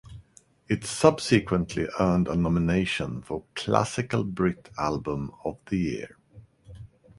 It subsequently earned a nomination for Classical Brit Album of the Year.